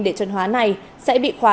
để chuẩn hóa này sẽ bị khóa